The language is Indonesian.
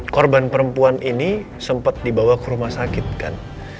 korban perempuan ini sempat dibawa ke rumah sakit kan